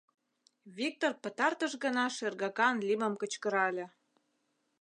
— Виктор пытартыш гана шергакан лӱмым кычкырале.